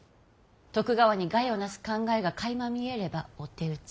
徳川に害をなす考えがかいま見えればお手討ち。